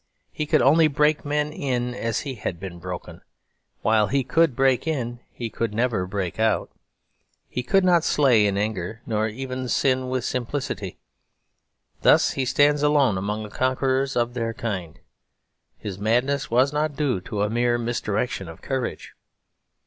He could only break men in as he had been broken; while he could break in, he could never break out. He could not slay in anger, nor even sin with simplicity. Thus he stands alone among the conquerors of their kind; his madness was not due to a mere misdirection of courage.